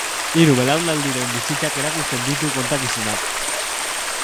Hiru belaunaldiren bizitzak erakusten ditu kontakizunak.